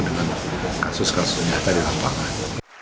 dengan kasus kasus nyata di lapangan